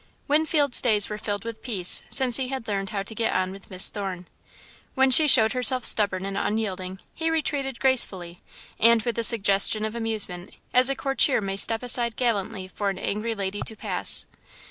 Winfield's days were filled with peace, since he had learned how to get on with Miss Thorne. When she showed herself stubborn and unyielding, he retreated gracefully, and with a suggestion of amusement, as a courtier may step aside gallantly for an angry lady to pass.